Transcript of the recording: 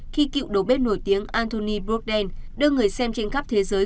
khi cựu đồ bếp nổi tiếng anthony brokden đưa người xem trên khắp thế giới